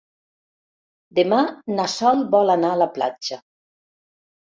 Demà na Sol vol anar a la platja.